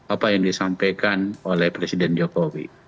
apa yang disampaikan oleh presiden jokowi